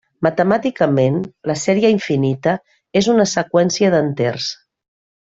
Matemàticament, la sèrie infinita és una seqüència d'enters.